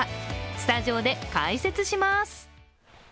スタジオで解説します。